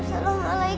bukan suruh standartnya